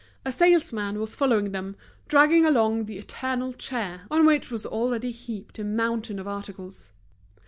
A salesman was following them, dragging along the eternal chair, on which was already heaped a mountain of articles.